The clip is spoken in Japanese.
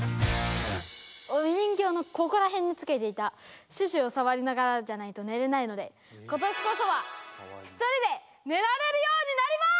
お人形のここらへんにつけていたシュシュをさわりながらじゃないと寝れないのでことしこそは１人で寝られるようになります！